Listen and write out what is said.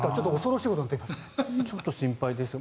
ちょっと心配ですね。